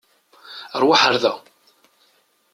Ṛwaḥ ar da!